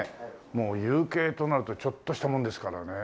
もう有形となるとちょっとしたもんですからねえ。